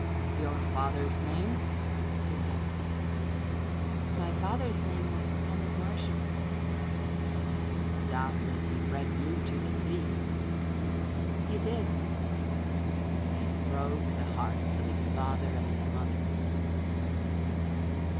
"Your father's name?" Sir John said. "My father's name was Thomas Marsham." "Doubtless he bred you to the sea." "He did." "He broke the hearts of his father and his mother."